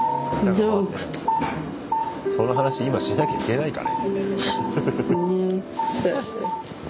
その話今しなきゃいけないかね？